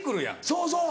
そうそう。